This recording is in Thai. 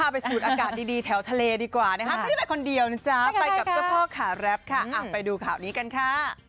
ไม่ได้จะไปคนเดียวนะจ๊ะไปกับเจ้าพ่อก่ะแรฟค่ะอ่าไปดูข่าวนี้กันค่ะ